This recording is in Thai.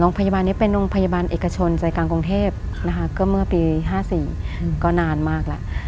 โรงพยาบาลนี้เป็นโรงพยาบาลเอกชนใจกลางกรุงเทพนะคะก็เมื่อปี๕๔ก็นานมากแล้ว